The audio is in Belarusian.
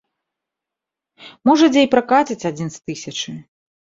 Можа дзе і пракаціць адзін з тысячы.